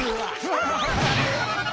ハハハハ！